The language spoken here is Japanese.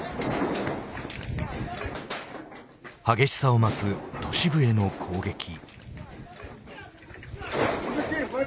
激しさを増す都市部への攻撃。